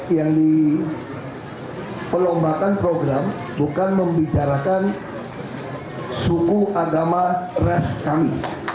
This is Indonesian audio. yang diperlombakan program bukan membicarakan suku agama ras kami